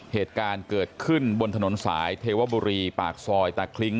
เหตุการณ์เกิดขึ้นบนถนนสายเทวบุรีปากซอยตะคลิ้ง